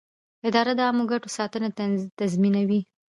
اداره د عامه ګټو ساتنه تضمینوي.